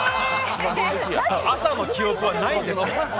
朝の記憶はないんですかね。